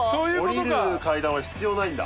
降りる階段は必要ないんだ。